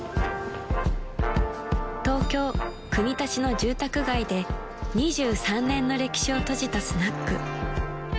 ［東京国立の住宅街で２３年の歴史を閉じたスナック］